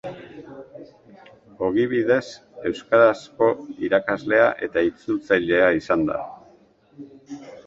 Ogibidez, euskarazko irakaslea eta itzultzailea izan da.